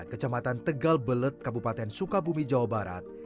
kecamatan tegal belet kabupaten sukabumi jawa barat